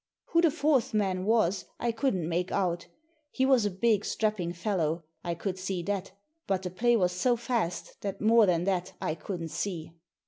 Who the fourth man was I couldn't make out He was a big, strapping fellow, I could see that; but the play was so fast that more than that I couldn't see.